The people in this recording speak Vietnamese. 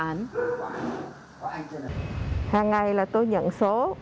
hàng ngày là tôi nhận số